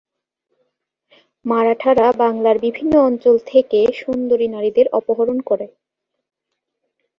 মারাঠারা বাংলার বিভিন্ন অঞ্চল থেকে সুন্দরী নারীদের অপহরণ করে।